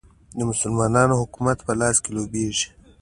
د مسلمانانو حکومت په لاس کې لوبیږي.